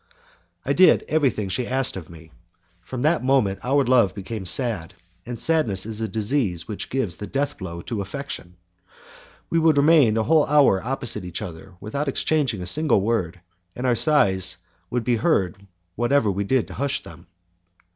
I did everything she asked me. From that moment our love became sad, and sadness is a disease which gives the death blow to affection. We would often remain a whole hour opposite each other without exchanging a single word, and our sighs would be heard whatever we did to hush them.